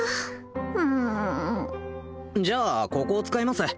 うんじゃあここ使います？